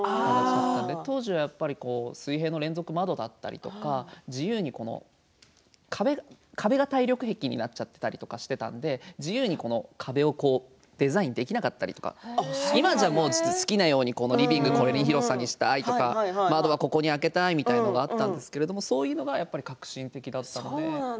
当時は水平の連続窓があったり壁が耐力壁になっちゃったりしていたので自由に壁をデザインできなかったりとか今では好きなように、リビングはこの広さにしたいとか窓はここに開けたいというのがあったんですけれどそういうのが革新的だったので。